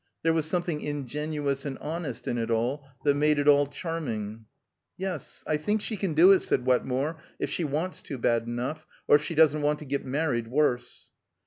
There was something ingenuous and honest in it all that made it all charming. "Yes, I think she can do it," said Wetmore, "if she wants to bad enough, or if she doesn't want to get married worse."